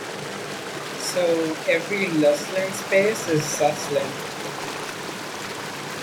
So every Lusin space is Suslin.